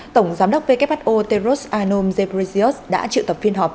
tổng giám đốc who teros anom zebrisios đã trự tập phiên họp